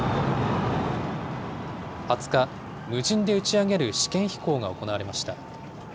２０日、無人で打ち上げる試験飛行が行われました。